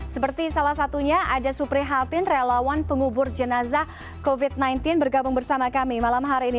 seperti salah satunya ada suprihatin relawan pengubur jenazah covid sembilan belas bergabung bersama kami malam hari ini